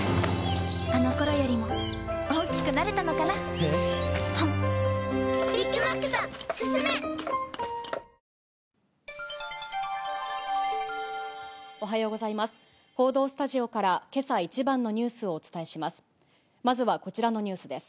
報道スタジオから、けさ一番のニュースをお伝えします。